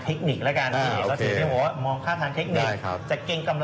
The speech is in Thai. ถูกต้อง